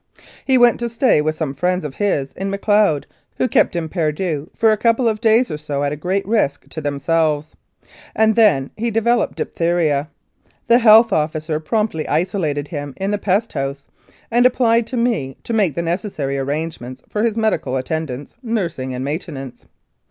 He went to stay with some friends of his in Macleod who kept him perdu for a couple of days or so at great risk to themselves, and then he developed diphtheria. The Health Officer promptly isolated him in the "Pest House," and ap plied to me "to make the necessary arrangements for his medical attendance, nursing, and maintenance."